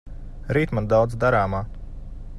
Rīt man daudz darāmā.